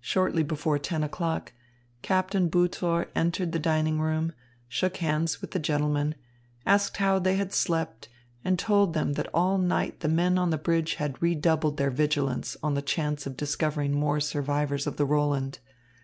Shortly before ten o'clock, Captain Butor entered the dining room, shook hands with the gentlemen, asked how they had slept, and told them that all night the men on the bridge had redoubled their vigilance on the chance of discovering more survivors of the Roland.